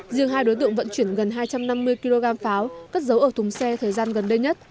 riêng hai đối tượng vận chuyển gần hai trăm năm mươi kg pháo cất dấu ở thùng xe thời gian gần đây nhất